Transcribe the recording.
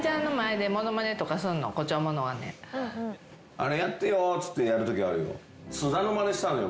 「あれやってよ」っつってやるときあるよ。